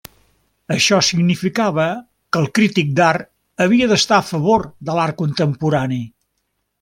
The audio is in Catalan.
Això significava que el crític d'art havia d'estar a favor de l'art contemporani.